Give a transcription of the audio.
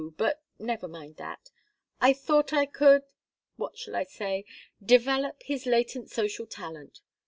But never mind that. I thought I could what shall I say? develop his latent social talent.